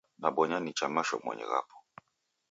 Nabonya nicha mashomonyi ghapo.